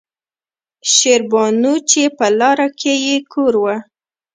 شېربانو چې پۀ لاره کښې يې کور وۀ